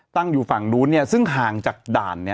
ตั้งอยู่ฝั่งนู้นเนี้ยซึ่งห่างจากด่านเนี้ย